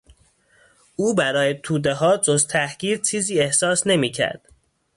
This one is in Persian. او برای تودهها جز تحقیر چیزی احساس نمیکرد.